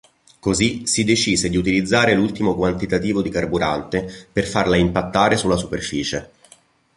Così si decise di utilizzare l'ultimo quantitativo di carburante per farla impattare sulla superficie.